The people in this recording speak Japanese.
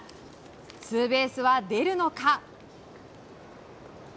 ツーベースは出るのか？